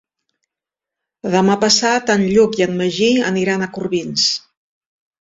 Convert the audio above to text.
Demà passat en Lluc i en Magí aniran a Corbins.